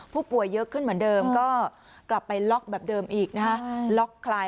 ผู้ป่วยเยอะขึ้นเหมือนเดิมก็กลับไปล็อกแบบเดิมอีกนะฮะล็อกคลาย